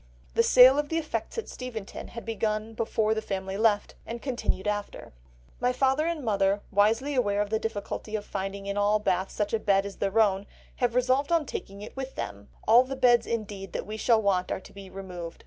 The sale of the effects at Steventon had begun before the family left, and continued after. "My father and mother, wisely aware of the difficulty of finding in all Bath such a bed as their own, have resolved on taking it with them; all the beds, indeed, that we shall want are to be removed....